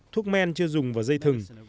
thuốc men chưa dùng và dây thừng